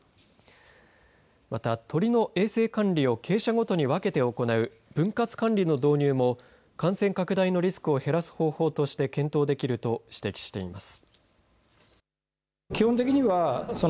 また、鳥の衛生管理を鶏舎ごとに分けて行う分割管理の導入も感染拡大のリスクを減らす方法として検討できると指摘しています。